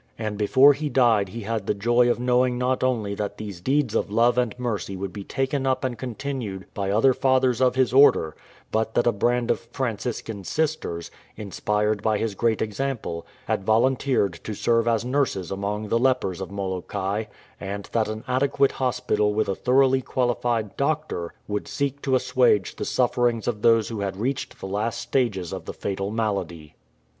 And before he died he had the joy of knowing not only that these deeds of love and mercy would be taken up and continued by other fathers of his order, but that a band of Franciscan sisters, inspired by his great example, had volunteered to serve as nurses among the lepers of Molokai, and that an adequate hospital with a thoroughly qualified doctor would seek to assuage the sufferings of those who had reached the last stages of the fatal malady.